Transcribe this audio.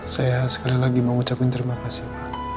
saya sekali lagi mau ucapkan terima kasih